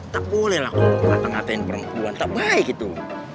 tak boleh lah kau ngata ngatain perempuan tak baik itu